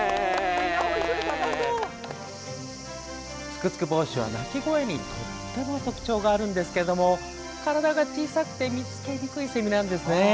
ツクツクボウシは鳴き声にとても特徴があるんですけども体が小さくて見つけにいセミなんです。